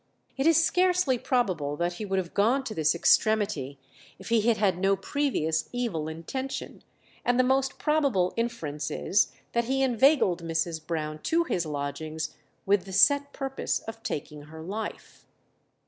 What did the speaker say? It is scarcely probable that he would have gone to this extremity if he had had no previous evil intention, and the most probable inference is that he inveigled Mrs. Brown to his lodgings with the set purpose of taking her life.